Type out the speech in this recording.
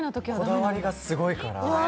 こだわりがすごいから。